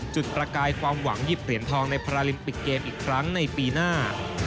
ประกายความหวังหยิบเหรียญทองในพาราลิมปิกเกมอีกครั้งในปีหน้า